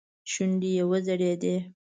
شونډې يې وځړېدې.